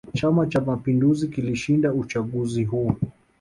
chama cha mapinduzi kilishinda uchaguzi huo